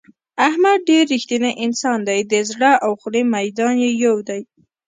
احمد ډېر رښتینی انسان دی د زړه او خولې میدان یې یو دی.